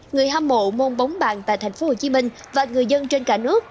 người hâm mộ môn bóng bàn tại thành phố hồ chí minh và người dân trên cả nước